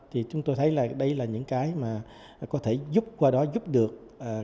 thì chúng tôi thấy là đây là những cái mà có thể giúp qua đó giúp được